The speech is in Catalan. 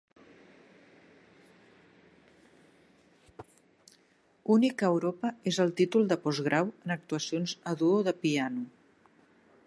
Únic a Europa és el títol de postgrau en actuacions a duo de piano.